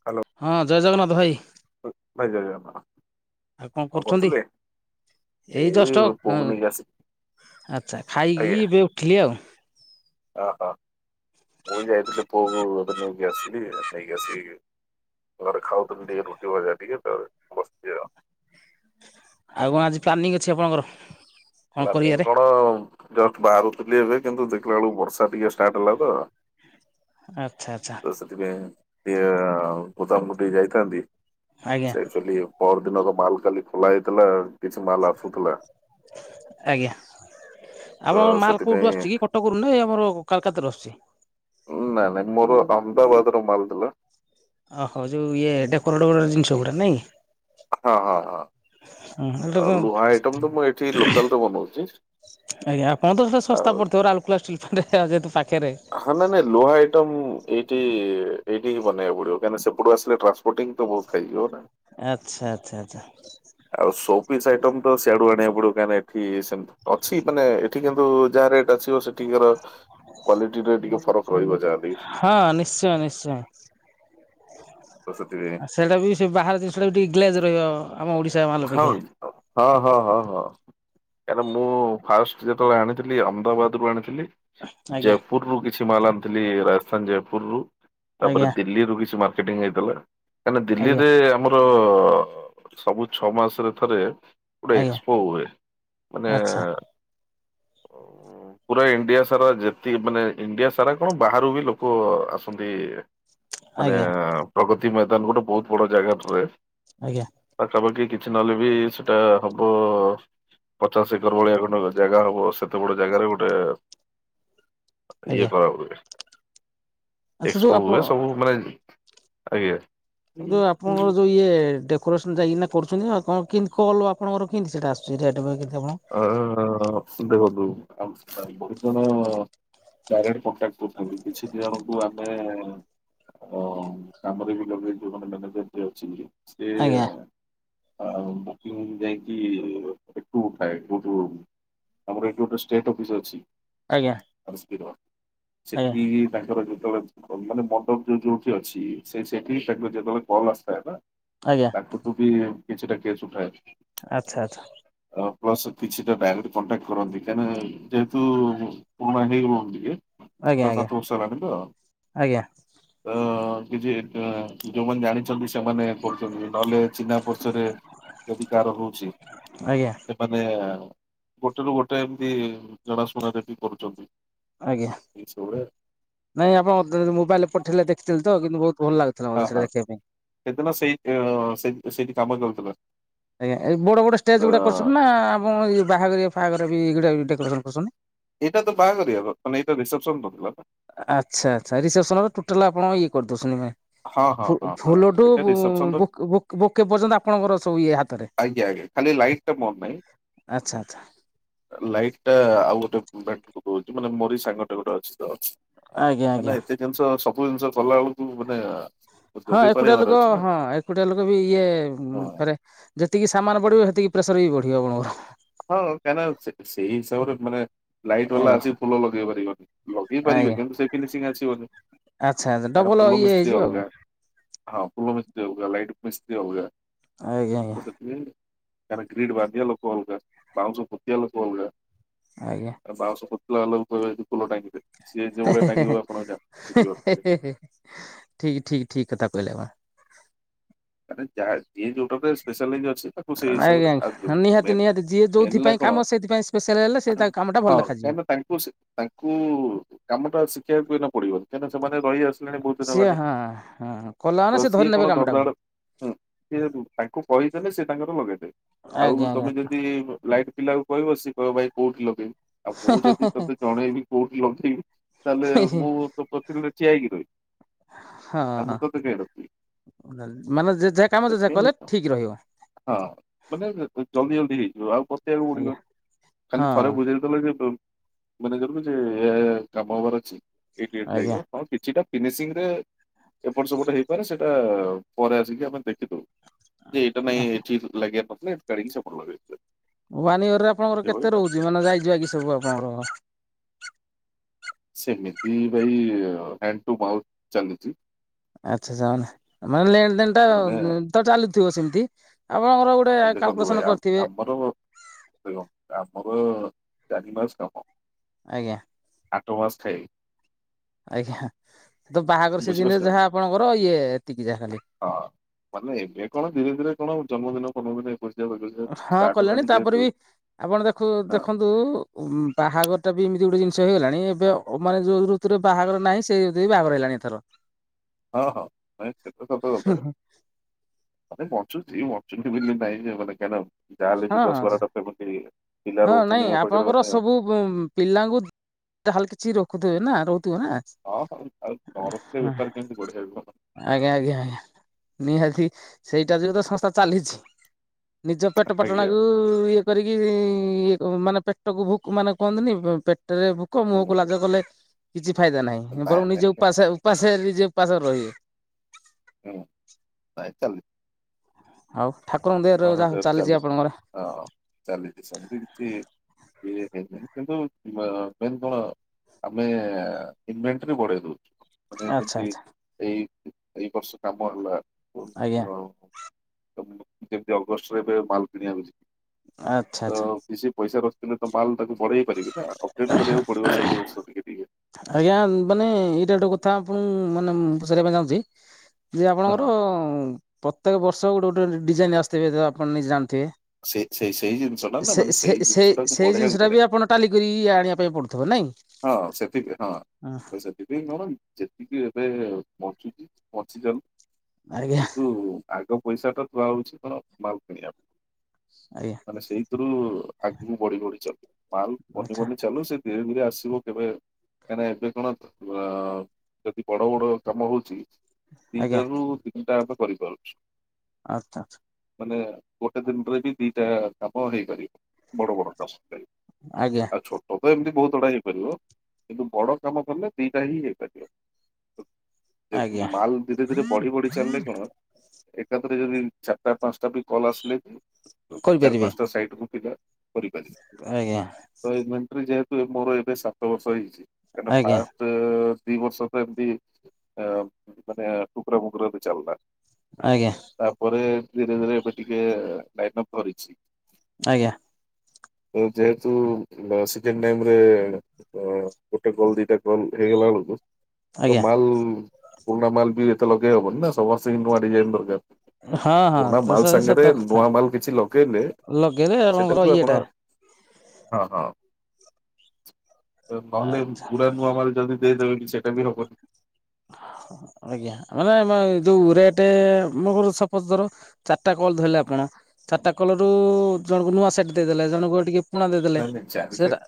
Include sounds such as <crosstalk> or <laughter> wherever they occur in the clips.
Hello ହଁ ଜୟ ଜଗନ୍ନାଥ ଭାଇ ଭୟଜୁ ମ ଆଉ କଣ କରୁଛନ୍ତି ଏଇ ଦଶଟା ପୁଅକୁ ନେଇକି ଆସିଲି ଆଚ୍ଛା ଖାଇକି ଏବେ ଉଠଥିଲି ଆଉ ଓହଁ ମୁଁ ଯାଇଥିଲି ପୁଅ ଏବେ ନେଇକି ଆସଥିଲି ନେଇକି ଆସି ଘରେ ଖାଉଥିଲି ଟିକେ ରୁଟି ଭଜା ଟିକେ ବସିଥି ଆଉ ଆଉ କଣ ଆଜି ପ୍ଲାନିଂ ଅଛି ଆପଣଙ୍କର କଣ ପ୍ଲାନିଂ କରିବାରେ କଣ ଜଷ୍ଟ ବାହାରୁଥିଲି ଏବେ କିନ୍ତୁ ଦେଖିଲା ବେଳକୁ ବର୍ଷା ଟିକେ ଷ୍ଟାର୍ଟ ହେଲା ତ ଆଚ୍ଛା ଆଚ୍ଛା ତ ସେଥିପାଇଁ ଟିକଏ ଗୋଦାମକୁ ଟିକ ଯାଇଥାନ୍ତି ଆଜ୍ଞା ସେଚୁ ପର ଦିନ ମାଲ କାଲି ଖୋଲା ହେଇଥିଲା କିଛି ମାଲ ଆସୁଥିଲା ଆଜ୍ଞା। ତ ଆପଣଙ୍କ ମାଲ କୋଉଠୁ ଆସୁଛି ସେଥିପାଇଁ କି କଟକରୁ ନାଇଁ ଆମର କାଲକାତାରେ ର ଅସଛି ନାଇଁ ନାଇଁ ମୋର ଅହମଦାବାଦ ର ମାଲ ଦେଲା ଓୋ ଯେଉ ଇଏ ଡେକୋରେଟ୍ୋଟ ଜିନଷ ଗୁଡ଼ା ନାଇଁ ହଁ ହଁ ହଁ ହୁଁ ଲୁହା ଆଇଟମ୍ ତ ମୁଁ ଏଠି ଲୋକାଲରେ ବନଉଛି ଆଜ୍ଞା କଣ ତ ସେଟା ଶସ୍ତା ଆଉ ପଡିଥିବ ଆଲୁଲା ଷ୍ଟରେ ଯେହେତୁ ପାଖରେ ହଁ ନାାଇ ନାଇଁ ଲୁହା ଆଇଟମ ଏଇଠି ଏଇଠି ହିଁ ବନେଇବା ପଡିବ କାହିଁକି ସେପଟୁ ଆସିଲେ ଟ୍ରା ୋଟଟିଂ ତ ବହୁ କହିଉ ନା ଆଚ୍ଛା ଆଚ୍ଛା ଆଚଛା ଆଉ ସୋପିସ୍ ଆଇଟମ ତ ସିଆଡୁ ଆଣିବା ପଡିବ କାହିଁକି ଏଠି ସେମିତି ଅଛି ମାନେ ଏଠି କିନ୍ତୁ ଯାହା ରେଟ୍ ଅଛିିବ ସେ ଟିୱର୍ କ୍ଵାଲିଟିରେ ଟିକେ ଫରକ ରହିବ ଯାହାବି। ହଁ ନିଶ୍ଚୟ ନିଶ୍ଚୟ। ତ ସେଥି ପାଇଁ ଆଉ ସେଇଟା ବି ସେ ବାହାର ଜିନିଷଟା ବି ଟିକେ ଗ୍ଲେଜ ରହିବ ଆମ ଓଡ଼ିଶା ମାଲ ହଁ ଅପେକ୍ଷା। ହଁ ହଁ ହଁ ହଁ। କାହିକିଁ ନା ମୁଁ ଫାଷ୍ଟ ଯେତେବେଳେ ଆଣିଥିଲି ଅହମଦାବାଦ ରୁ ଆଣିଥିଲି। ଆଜ୍ଞା ଜୟପୁର ରୁ କିଛି ମାଲ ଆଣିଥିଲି ରାଜସ୍ଥାନ ଜୟପୁର ରୁ ତାପରେ ଆଜ୍ଞା ଦିଲ୍ଲୀରୁୁ କିଛି ମାଲ ର୍କେଟିଂ ହେଇଥିଲା କାହିଁକିନା ଆଜ୍ଞା ଦିଲ୍ଲୀରେ ଆମର ସବୁ ଛଅ ମାସରେ ଥରେ ଗୋଟେ ଆଜ୍ଞା ଏକ୍ସପୋ ହୁଏ ମାନେ ଆଚ୍ଛା। ହଉ। ପୁରା ଇଣ୍ଡିଆ ସାରା ଯେତିକି ମାନେ ଇଣ୍ଡିଆ ସାରା କଣ ବାହାରୁ ବି ଲୋକ ଆସନ୍ତି। ମାନେ ଆଜ୍ଞା ପ୍ରଗତି ମଇଦାନ ଗୋଟେ ବହୁତ ବଡ଼ ଜାଗାଥ୍ରୁ ରେ ଆଜ୍ଞା। ପାଖାପାଖି କିଛି ନହେଲେ ବି ସେଟା ହବ ପଚାଶ ଏକର ଭଳିଆ ଖଣ୍ଡେ ଜାଗା ହବ ସେତେ ବଡ଼ ଜାଗାରେ ଗୋଟେ <inaudible> ଇଏ କରାହୁଏ। ଆଚ୍ଛା ଯୋଉ ଏକ୍ସପୋ ଆପଣ ହୁଏ ସବୁ ମାନେ ଆଜ୍ଞା। ଯୋଉ ଆପଣଙ୍କର ଯୋଉ ଇଏ ଡେ କୋରସନ୍ ଯାଇକିନା କରୁଛନ୍ତି ନା କଣ କେମତି କଲ୍ ଆପଣଙ୍କର କେମିତି ସେଟା ଆସୁଛି <unintelligible> ଅ ଦେଖନ୍ତୁ <unintelligible> ଡାଇରେକ୍ଟ କଣ୍ଟାକ୍ଟ କରୁଥିଲୁ କିଛି ଜଣଙ୍କୁ ଆମେ ଅ କାମରେ ବି ଲଗେଇଛୁ ଯୋଉ <unintelligible> ଅଛି ବି। ସିଏ ଆଜ୍ଞା ଆ ବୁକିଂ କୁ ଯାଇକି ଟୁର ଥାଏ କୋଉଠୁ ଆମର ଏଇଠି ଗୋଟେ ଷ୍ଟେଟ ଅଫିସ ଅଛି। ଆଜ୍ଞା <unintelligible> ଆଜ୍ଞା ସେଠି ତାଙ୍କର ଯେତେବେଳେ। ମାନେ ମଣ୍ଡପ ଯୋଉ ଯୋଉଠି ଅଛି ସେ ସେଠି ତାଙ୍କର ଯେତେବେଳେ କଲ୍ ଆସିଥାଏ ନା। ଆଜ୍ଞା। ତାଙ୍କଠୁ ବି କିଛିଟା କେସ୍ ଉଠାଏ। ଆଚ୍ଛା ଆଚ୍ଛା। ପ୍ଲସ କିଛିଟା ଡାଇରେକ୍ଟ କଣ୍ଟାକ୍ କରନ୍ତି କାହିଁକି ଯେହେତୁ ପୁରୁଣା ହେଇଗଲୁଣୁ ଟିକେ। ଆଜ୍ଞା ପାଞ୍ଚ ସାତ ଆଜ୍ଞା ବର୍ଷ ହେଇ ଗଲାଣି ଆଜ୍ଞା ତ ତ କିଛି ଯୋଉମାନେ ଜାଣିଛନ୍ତି ସେମାନେ କରୁଛନ୍ତି ନହେଲେ ଚିହ୍ନା ପରରିଚୟରେ ଯଦି କାହାର ହଉଛି। ଆଜ୍ଞା। ସେମାନେ ଗୋଟେରୁୁ ଗୋଟେ ଏମିତି ଜଣାଶୁଣାରେ ବି କରୁଛନ୍ତି। ଆଜ୍ଞା। ଇଏ ସେଇଭଳିଆ। ନାଇଁ ଆପଣ ମୋବାଇଲରେ ପଠେଇଲେ ଦେଖଥିଲେ ତ କିନ୍ତୁ ବହୁତ ଭଲ ଲାଗୁଥିଲା ହଁ ମତେ ହଁ ସେଟା ଦେଖିବା ପାଇଁ। ସେଦିନ ସେଇ ସେ ସେଇଠି କାମ ଚାଲୁ। ଆଜ୍ଞା ଏ ବଡ଼ ବଡ଼ ଷ୍ଟେଜ୍ ଗୁଡ଼ା କରୁଛନ୍ତି ନା ଆପଣ ଇଏ ବାହାଘରିଆ ଫାହାଘର ବି ଗୋଟା ଡେକୋରେସନ୍ କରୁଛନ୍ତି। ଏଇଟା ତ ବାହାଘରିଆ ବର୍ତ୍ତମାନ ଏଇଟା ରିସେପ୍ସନ ପଡ଼ିଥିଲା ନା। ଆଚ୍ଛା ଆଚ୍ଛା ରିସେପ୍ସନ ର ଟୋଟାଲ ଆପଣ ଇଏ କରିଦଉଛନ୍ତି। ହଁ ହଁ ଫୁଲ୍ ହଁ ହଁ ଫୁଲଠୁ ଏଇଟା ବୁ ରିସେପସନ ର ବୁକ୍ ବୁକ୍ ବୁକେ ପର୍ଯ୍ୟନ୍ତ ଆପଣଙ୍କର ସବୁ ଇଏ ହାତରେ। ଆଜ୍ଞା ଆଜ୍ଞା ଖାଲି ଲାଇଟ୍ ଟା ମୋର ନାହିଁ। ଆଚ୍ଛା ଆଚ୍ଛା। ଲାଇଟ ଟା ଆଉ ଗୋଟେ ବେଟକୁ ଦଉଛି ମାନେ ମୋରି ସାଙ୍ଗଟେ ଗୋଟେ ଅଛି ତ। ଆଜ୍ଞା ଆଜ୍ଞା ମାନେ ଏତେ ଜିନିଷ ସବୁ ଜିନିଷ କଲା ବେଳକୁ ମାନେ ହଁ ଯୋଗେଇ ଏକୁଟିଆ ଲୋକ ପାରିବାର ଅଛି ନାଁ। ହଁ ଏକୁଟିଆ ଲୋକ ବି ଇଏ ଫେରେ ଯେତିକି ସାମାନ ବଢ଼ିବ ସେତିକି ପ୍ରେସର ବି ବଢ଼ିବ ଆପଣଙ୍କର। ହଁ କାହିଁକି ନା ସେ ସେଇ ହିସାବରେ ମାନେ ଲାଇଟ୍ ବାଲା ଆଜ୍ଞା ଆସି ଫୁଲ ଲଗେଇ ପାରିବେନି ଲଗେଇ ପାରିବେ ଆଜ୍ଞା କିନ୍ତୁ ସେ ଫିନିସିଂ ଆସିବନି। ଆଚ୍ଛା ଆଚ୍ଛା କାହିଁକି ନା ଡବଲ ଫୁଲ ଇଏ ମିସ୍ତ୍ରୀ ହେଇଯିବ ଆଉ ଅଲଗା। ହଁ ଫୁଲୋ ମିସ୍ତ୍ରୀ ଅଲଗା, ଲାଇଟ୍ ମିସ୍ତ୍ରୀ ଅଲଗା ଆଜ୍ଞା ଆଜ୍ଞା ହଁ ତ ସେଥିପାଇଁ। ତାର ଗ୍ରୀଡ ବନ୍ଧୀୟା ଲୋକ ଅଲଗା, ବାଉଁଶ ପୋତୀୟା ଅଲଗା। ଆଜ୍ଞା ବାଉଁଶ ପୋତିଲାବାଲାକୁ କହିବେ ଫୁଲ ଟାଙ୍ଗିଦେ, ସିଏ ଯୋଉ ଭଳିଆ ଟାଙ୍ଗିବ ଠିକ ଆପଣ ଜାଣ ବୁଝିପାରୁଥିବେ ଠିକ ଠିକ କଥା କହିଲେ ଆପଣ। ମାନେ ଯାହା ଯିଏ ଯୋଉଟା ସ୍ପେଶାଲଇଂ ଅଛି। ଖୁସି ହିସାବରେ ଆଜ୍ଞା ଆଉ ଆଜ୍ଞା ନିହାତି ମେନ୍ ନିହାତି ଯିଏ ହେଲା ଯୋଉଥିପାଇଁ କାମ କଣ ସେଇଥିପାଇଁ ସ୍ପେଶାଲ ହେଲେ ସେ ତା କାମଟା ଭଲ ହଁ ଦେଖାଯିବ। କାହିଁନା ତାଙ୍କ ତାଙ୍କୁ ତାଙ୍କୁ କାମଟା ଶିଖେଇବାକୁ ଏଇନା ପଡିବନି କାହିଁକିନା ସେମାନେ ରହିଆସିଥିବେ। ବହୁ ଦିନ ବହୁତ ଦିନ ସିଏ ହେଲାଣି ହଁ ହଁ କଲା ମାନେ ତ ସେ ଧରି ସିଏ ନେବେ କଣ ଧଡ୍ କାମଟାକୁ ଧାଡ ହୁଁ ସେ ତାଙ୍କୁ କହିଦେଲେ ସେ ତାଙ୍କର ଲଗେଇଦେବେ ଆଉ ଆଜ୍ଞା ତମେ ଆଜ୍ଞା। ଯଦି ଲାଇଟ୍ ପିଲା କୁ କହିବ ସିଏ କହିବ ଭାଇ କୋଉଠି ଲଗେଇବି? ଆଉ ମୁଁ ଯଦି ତତେ ଜଣେଇବି କୋଉଠି ଲଗେଇବୁ ତାହେଲେ ମୁଁ ତ ପ୍ରତିଦିନ ଠିଆ ହେଇକି ରହିବି ଆଉ ହଁ ମୁଁ ତୋତେ କାଇଁ ରଖିବି? ମାନେ ଯେ ଯାହା କାମ ଯିଏ ସେଥିପାଇଁ କଲେ ଠିକ ରହିବ। ହଁ ମାନେ ଜଲଦି ଜଲଦି ହେଇଯିବ ଆଉ ବତେଇବାକୁ ପଡ଼ିବନି, ଆଜ୍ଞା ଖାଲି ହଁ ଥରେ ବୁଝେଇଲେ ସେତେବେଳେ ଯେମିତି ମାନେ କାମ ହବାର ଅଛି ଏଇଠି ଏଇଠି ଲାଗିବ। ଆଜ୍ଞା। ହଁ କିଛିଟା ଫିନିସିଂରେ ଏପଟ ସେପଟ ହେଇପାରେ ସେଇଟା ପରେ ଆସିକି ଆମେ ଦେଖିଦଉ। ଯେ ଏଇଟା ନାଇଁ ଏଠି ଲାଗିବାର ନଥିଲା ଏଠୁ କାଢି ସେପଟେ ଲଗେଇଦେ। ୱାନ୍ ଇୟରରେ ଆପଣଙ୍କର କେତେ ରହୁଛି ମାନେ ଯାଇଜୁଆ କରିକି ସବୁ ଆପଣଙ୍କର? ସେମିତି ଭାଇ ହେଣ୍ଡ ଟୁ ମାଉଥ ଚାଲିଛି। ଆଚ୍ଛା ସେମାନେ ମାନେ ଲେନ ଦେନ ମାନେ ଟା ତ ଚାଲୁଥିବ ସେମିତି ଆପଣଙ୍କର ଗୋଟେ ଗୋଟେ କ୍ୟାଲକୁଲେଶନ କରିଥିବେ? ବରଂ ଦେଖ ଆମର ଚାରି ମାସ କାମ ଆଜ୍ଞା। ଆଠ ମାସ ଖାଇ ଆଜ୍ଞା, ତ ବାହାଘର ବୁଝିପାରୁଛନ୍ତି ସିଯିନରେ ଆପଣ? ଯାହା ଆପଣଙ୍କର ଇଏ ଏତିକି ଯାହା ଖାଲି। ହଁ ମାନେ ଏବେ କଣ ଧୀରେ ଧୀରେ କଣ ଜନ୍ମଦିନ ଫନ୍ମଦିନ ଏମିତି <unintelligible> କିଛିଦିନ ହଁ ଷ୍ଟାର୍ଟ କଲେଣି ହେଲାନି ତାପରେ ଯେହେତୁ ବି ଆପଣ ଦେଖୁ ହଁ ଦେଖନ୍ତୁ ଉ ବାହାଘର ଟା ବି ଏମିତି ଗୋଟେ ଜିନିଷ ହେଇଗଲାଣି ଏବେ ମାନେ ଯୋଉଥିରୁ ପ୍ରକୁତରେ ବାହାଘର ନାହିଁ ସେଇ ଅନୁସାରେ ବାହାଘର ହେଲାଣି ଏଥର। ହଁ ହଁ ନାଇଁ ସେତ ସତ କଥା। ମାନେ <unintelligible> ବୋଲି ନାହିଁ ଯେ ମାନେ କ ଯାହାହେଲେ ବି ଦଶ ହଁ ବାରଟା ସେମିତି ପିଲା ହଁ ରହୁଛନ୍ତି ନାଇଁ ମୋ ପାଖରେ ଆପଣଙ୍କର ମାନେ ସବୁ ପିଲାଙ୍କୁ ତାହେଲ କିଛି ରଖୁଥିବେ ନା ରହୁଥିବେ ନା? ହଁ ଆଉ ନ ରଖିଲେ ବେପାର କେମିତି ବଢ଼ିଚାଲିବ? ଆଜ୍ଞା ଆଜ୍ଞା ଆଜ୍ଞା ନିହାତି ସେଇଟା ଯୋଗୁଁ ତ ସସ୍ଥା ଚାଲିଛି। ନିଜ ପେଟ ଆଜ୍ଞା ପାଟଣାକୁ ଇଏ କରିକି। ଏଇ ମାନେ ପେଟକୁ ଭୋକ ମାନେ କୁହନ୍ତିନି ପେଟରେ ଭୋକ ହୁଁ ମୁହଁକୁ ଲାଜ କଲେ କିଛି ଫାଇଦା ନାହିଁ ନାଇଁ ବରଂ ନିଜେ ନାଇଁ ଉପାସେ ଉପାସେ ନିଜେ ଉପାସରେ ରହିବେ। ହୁଁ, ଆ ଚାଲୁ। ହଉ ଠାକୁରଙ୍କ ଦୟାରୁ ଭଲ ଯାହା ଜୋରେ ଚାଲିଛି ଆପଣଙ୍କର। ହଁ ଚାଲିଛି ସେମିତି କିଛି। ଇଏ ହେଇନି କିନ୍ତୁ ମେନ୍ କଣ ଆମେ ଇନଭେଟେରି ବଢେଇଦଉୁ। ମାନେ ଆଚ୍ଛା ଯେମିତି ଆଚ୍ଛା ଏଇ ଏଇ ବର୍ଷ କାମ ହେଲା। ଆଜ୍ଞା। ଓହୋ ଯେମିତି ଅଗଷ୍ଟରେ ଏବେ ମାଲ କିଣିବାକୁଚ ଆଚ୍ଛା ଆଚ୍ଛା କି ସେ ପଇସା ରଖୁଛନ୍ତି ତ ମାଲ ତାକୁ ବଢେଇ ପାରିବି ନା ଅପଡେଟ୍ କରିବାକୁ ପଡିବ ସବୁ ବଧ କି ଟିକେ ଆଜ୍ଞା ମାନେ ଏଇଟା ଗୋଟୋେ କଥା ଆପଣ ମାନେ ମୁଁ ପ ସାରିବା ପାଇଁ ଚାହୁଁଛି ଯେ ଆପଣଙ୍କର ହଁ। ଅଁ, ପ୍ରତ୍ୟେକ ବର୍ଷ ଗୋଟେ ଗୋଟେ ଡିଜାଇନ୍ ଆସିଥିବେ ତ ଆପଣ ନିଜେ ଜାଣିଥିବେ? ସେ ସେଇ ସେଇ ଜିନିଷ ଟା ନା ସେ ମାନେ ସେ ଜିନିଷ ସେଇ ଟାକୁ ସେଇ ବଢେଇବାକୁ ଜିନିଷ ଟା ପଡେ ବି ଆପଣ ଟାଲି କରି ଆଣିବା ପାଇଁ ପଡୁଥିବ ନାଇଁ? ହଁ ସେ ଥିବେ ହଁ ତ ସେ ଏବେ ନ ହଉ ଯେତିକି ଏବେ ବଞ୍ଚୁଚି ବଞ୍ଚି ଯାଉ। ଆଜ୍ଞା କିନ୍ତୁ ଆଗ ପଇସା ତ ପାଉଛି କଣ ମାଲ କିଣିବା ଆଜ୍ଞା। ମାନେ ସେଇଥିରୁ ଆଗକୁ ବଢି ବଢି ଚାଲୁ। ମାଲ ବନି ଆଚ୍ଛା ବନି ଚାଲୁ। ସେ ଧୀରେ ଧୀରେ ଆସ ଥିବ କେବେ କାହିଁକି ନା ଏବେ କଣ ଅ, ଯଦି ବଡ ବଡ କାମ ହଉଛି। ଆଜ୍ଞା ଦିଟା ରୁ ତିନିଟା ଆମେ କରିପାରୁଛୁ। ଆଚ୍ଛା, ଆଚ୍ଛା। ମାନେ ଗୋଟେ ଦିନରେ ବି ଦିଟା କାମ ହେଇପାରିବ। ବଡ ବଡ କାମ <unintelligible> ଆଜ୍ଞା। ଆଉ ଛୋଟ ତ ଏମିତି ବହୁତ ଗୁଡା ହେଇପାରିବ। କିନ୍ତୁ ବଡ କାମ କଲେ ଦିଟା ହିଁ ହେଇପାରିବ। ଯେ ଆଜ୍ଞା ମାଲ ଧୀରେ ଧୀରେ ବଢି ବଢି ଚାଲେ କଣ ଏକାଥରେ ଯଦି ଚାଟା ପାନ୍ସଟା ବି କଲ୍ ଆସିଲେ ବି ଚାରି କରିପାରିବେ ପାନ୍ସଟା ସାଇଟ୍ ରୁ ପିଲା କରିପାରିବେ। ଆଜ୍ଞା ତ ଏ ମେଣ୍ଟ୍ରି ଯେହେତୁ ଏ ମୋର ଏବେ ସାତ ବର୍ଷ ହେଇଛି। କାଇଁନା ପା ଆଜ୍ଞା ତ ଦି ବର୍ଷ ତ ଏମତି ଆ, ମାନେ ଟୁକୁରା ମୁକୁରା ବି ଚାଲଲା। ଆଜ୍ଞା। ତାପରେ ଧୀରେ ଧୀରେ ଏବେ ଟିକେ ଲାଇନ୍ ଅପ୍ ଧରିଛି। ଆଜ୍ଞା। ତ ଯେହେତୁ ଲ-ସଜିନ୍ ଟାଇମ୍ ରେ କଣ ଗୋଟେ କଲ୍ ଦିଟା କଲ୍ ହେଇଗଲା ବେଳକୁ ତ ଆଜ୍ଞା ମାଲ ପୁରୁଣା ମାଲ ବି ଏତେ ଲଗେଇ ହବନି ନା ସମସ୍ତିଙ୍କି ନୂଆ ଡିଜାଇନ୍ ଦରକାର। ହଁ ହଁ ପୁରୁଣା ତ ସେ ମାଲ ସତ ସାଙ୍ଗରେ କଥା ନୂଆ ମାଲ କିଛି ଲଗେଇଲେ ଲଗେଇଲେ ଆପଣଙ୍କର ସେଟାକୁ ଆପଣ <unintelligible> ହଁ, ହଁ। ଏ ନହେଲେ ପୁରା ନୂଆ ମାଲ ଯଦି ଦେଇଦେବେ ବି ସେଟା ବି ହବନି। ହଁ, ହଁ। ଆଜ୍ଞା ମାନେ ମାଏ ଯୋଉ ରେଟେ ମୁଁ କହୁଚ ସପୋଜ୍ ଧର ଚାରଟା କଲ୍ ଧଇଲେ ଆପଣ ଚାଟା କଲ୍ ରୁ ଜଣଙ୍କୁ ନୂଆ ସେଟ୍ ଦେଇଦେଲେ। ଜଣଙ୍କୁ ଓ ଟିକେ ପୁଣା ଦେଇଦେଲେ ନାଇଁ ନାଇଁ ସେଟା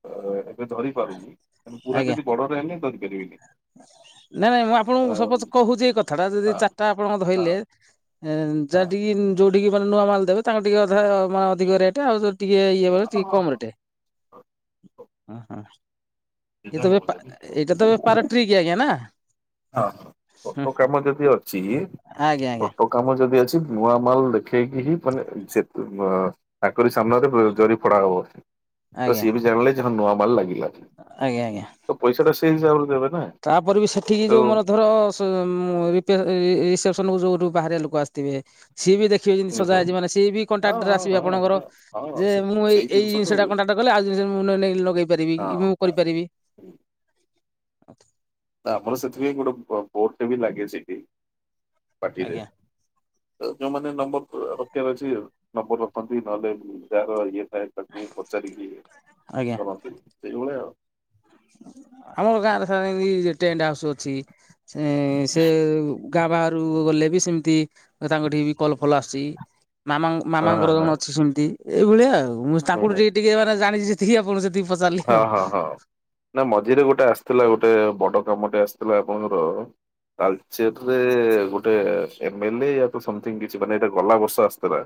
ଅ, ଏବେ ଧରି ପାରୁନି। ଏ ମୁଁ ପୁରା ଆଜ୍ଞା ଯଦି ବଡରେ ହେନେ ଧରି ପାରିବିନି। ନାଇଁ ନାଇଁ ମୁଁ ହଁ ଆପଣଙ୍କୁ ସପୋଜ୍ କହୁଛି ଏଇ କଥା ଟା। ଯଦି ହଁ ଚାଟା ଆପଣଙ୍କ ଧଇଲେ ହଁ। ଏନ୍ ଯା ଟିକି ଇନ୍ ଯୋଉଠିକି ମାନେ ନୂଆ ମାଲ ଦେବେ ତାଙ୍କ ଟିକେ ଅଧାୟ ମାନେ ଅଧିକ ରେଟେ। ଆଉ ଯଦି ଟିକେ ଇଏ ବାଲା ହଁ ଟିକେ କମ୍ ହଁ ରେଟେ? ହଁ, ହଁ, ଇଏ ତ ବେପା ଏ, ଏ, ଏଇଟା ତ ବେ ପାରାଟ୍ରିକ୍ ଆଜ୍ଞା ନା? ହଁ, ହଁ, ହଁ ଫଟୋ କାମ ଯଦି ଅଛି, ଆଜ୍ଞା ଆଜ୍ଞା। ଫଟୋ କାମ ଯଦି ଅଛି ନୂଆ ମାଲ ଦେଖେଇକି ହିଁ ମାନେ ସେ <unintelligible> ଚାକରି ସାମ୍ନାରେ ବୋ-ଜରି ଫଡା ହବ। ତ ଆଜ୍ଞା ସିଏ ବି ଜାଣିଲେ ଯେ ହଁ ନୂଆ ମାଲ ଲାଗିଲା। ଆଜ୍ଞା, ଆଜ୍ଞା। ତ ପଇସା ଟା ସେଇ ହିସାବରେ ଦେବେ ନା। ତାପରେ ବି ସେଠିକି ତ ଯୋଉ ମୋର ଧର ସ ମୁଁ ଉଁ, ଅ, ରିପିଆର ଏଇ <unintelligible> ସନକୁ ଯୋଉଠୁ ବାହାରିଆ ଲୋକ ଆସିଥିବେ ସିଏ ବି ଦେଖିବେ ଯେମତି ସଜା ହେଇଛି। ମାନେ ସିଏ ବି ହଁ କଣ୍ଟ୍ରାକ୍ଟ ରେ ହଁ ଆସିବେ ଆପଣଙ୍କର। ହଁ ହଁ ହଁ ଯେ ସେ ମୁଁ ଏଇ ସେଇ ଏଇ ତ ଜିନିଷ ଟା ହୁଏ କଣ୍ଟାକ୍ଟ କଲେ ଆଉ ଜିନିଷ ମୁଁ ନ- ନେଇକି ଲଗେଇ ପାରିବି ହଁ କି ମୁଁ ହଁ। କରିପାରିବି। <inaudible> ତ ଆମର ସେଥିପାଇଁ ଗୋଟେ ବୋ- ବୋର୍ଡ ବି ଲାଗେ ସେଠି ପାର୍ଟିରେ। ଆଜ୍ଞା ଅ, ଯୋଉମାନେ ନମ୍ବର୍ ରଖିବାର ଅଛି ନମ୍ବର୍ ରଖନ୍ତି। ନହେଲେ ଉଁ, ଯାହାର ଇଏ ଥାଏ ତାକୁ ପଚାରିକି କରନ୍ତି ସେଇଭଳିଆ ଉ ଆମର ଗାଁରେ ସତି ଟେଣ୍ଟ ହାଉସ ଅଛି ସେ ଗାଁ ବାହାରୁକୁ ଗଲେ ବି ସେମିତି ତାଙ୍କଠିକି ବି କଲ ଫଲ ଆସୁଛି ମାମା ହଁ ମାମାଙ୍କର ଜଣେ ହଁ ଅଛି ସେମିତି ଏଇଭଳିଆ ଆଉ ମୁଁ ତାଙ୍କୁ ଟିକେ ଟିକେ ମାନେ ଜାଣିଛି ସେତିକି ଆପଣ ହଁ ହଁ ହଁ ନା ମଝିରେ ଗୋଟେ ଆସିଥିଲା ଗୋଟେ ବଡ କାମଟେ ଆସିଥିଲା ଆପଣଙ୍କର ତାଲଚରରେ ଗୋଟେ ଏମିଲି କିଛି ମାନେ ଏଇଟା ଗଲା ବର୍ଷ ଆସିଥିଲା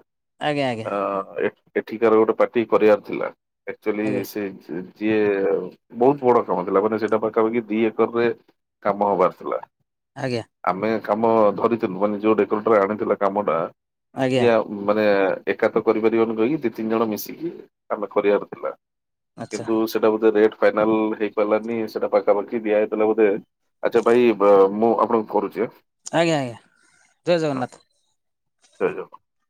ଆଜ୍ଞା ଆଜ୍ଞା ଅ ଏଠିକାର ଗୋଟେ ପାର୍ଟି କରିବାର ଥିଲା ଅକ୍ଚୁଆଲି ଆଜ୍ଞା ସେ ଯିଏ ବହୁତ ବଡ କାମ ଥିଲା ମାନେ ସେଟା ପାଖାକି ଦି ଏକରରେ କାମ ହବାର ଥିଲା ଆଜ୍ଞା ଆମେ କାମ ଧରିଥିଲୁ ମାନେ ଯୋଉ ରେକଡରେ ଆଣିଥିଲା କାମ ଟା ଆଜ୍ଞା ଇା ମାନେ ଏକାତ କରିପାରିବନି କହିକି ଦି ତିନି ଜଣ ମିଶିକି ଆମେ କରିବାର ଥିଲା ଆଚ୍ଛା କିନ୍ତୁ ସେଟା ବୋଧେ ରେଟ୍ ଫାଇନାଲ ହେଇ ପାରିଲାନି ସେଟା ପାଖାପାଖି ଦିଆ ହେଇଥିଲା ବୋଧେ ଆଚ୍ଛା ଭାଇ ମୁଁ ଆପଣଙ୍କୁ କରୁଛି ଆଜ୍ଞା ଆଜ୍ଞା ଜୟ ହଁ, ଜଗନ୍ନାଥ ଜୟ ଜ